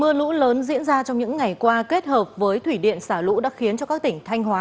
chuyển ra trong những ngày qua kết hợp với thủy điện xả lũ đã khiến cho các tỉnh thanh hóa